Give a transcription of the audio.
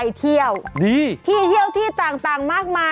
สวัสดีคุณชิสานะฮะสวัสดีคุณชิสานะฮะ